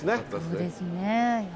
そうですね。